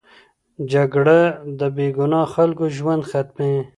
جګړه د بې ګناه خلکو ژوند ختموي